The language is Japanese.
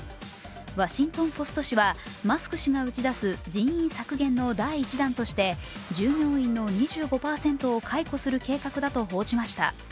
「ワシントン・ポスト」紙はマスク氏が打ち出す人員削減の第１弾として従業員の２５％を解雇する計画だと報じました。